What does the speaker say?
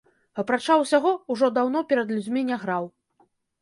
Апрача ўсяго, ужо даўно перад людзьмі не граў.